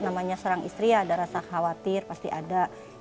namanya serang istri ya ada rasa khawatir pasti ada